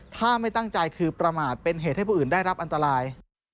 ถ้าไม่ตั้งใจคือประมาทเป็นเหตุให้ผู้อื่นได้รับอันตราย